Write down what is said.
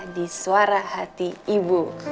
di suara hati ibu